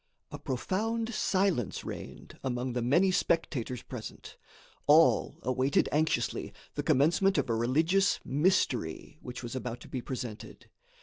A profound silence reigned among the many spectators present. All awaited anxiously the commencement of a religious "mystery," which was about to be presented.